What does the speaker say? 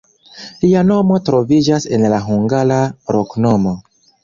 Lia nomo troviĝas en la hungara loknomo.